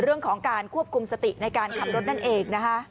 เรื่องของการควบคุมสติในการขับรถนั่นเองนะคะ